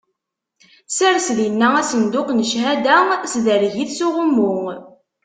Sers dinna asenduq n cchada, ssedreg-it s uɣummu.